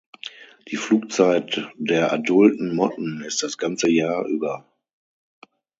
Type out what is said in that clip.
Die Flugzeit der adulten Motten ist das ganze Jahr über.